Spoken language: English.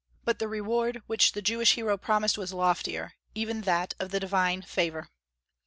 But the reward which the Jewish hero promised was loftier, even that of the divine favor.